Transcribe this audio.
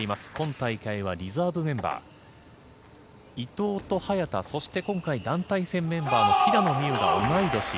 今大会ではリザーブメンバー、伊藤と早田、そして団体戦メンバーの平野美宇が同い年。